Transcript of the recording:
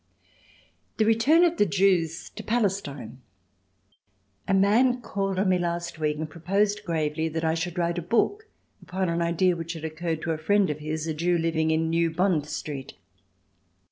The Return of the Jews to Palestine A man called on me last week and proposed gravely that I should write a book upon an idea which had occurred to a friend of his, a Jew living in New Bond Street.